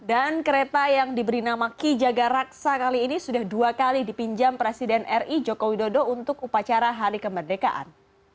dan kereta yang diberi nama ki jaga raksa kali ini sudah dua kali dipinjam presiden ri joko widodo untuk upacara hari kemerdekaan